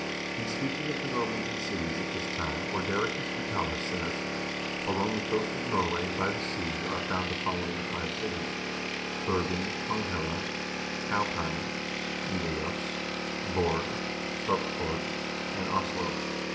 In speaking of the Norwegian cities at this time Ordericus Vitalis says :" Along the coast of Norway, by the sea, are found the following five cities : Bergen, Konghelle, Kaupang (Nidaros), Borg (Sarpsborg), and Oslo.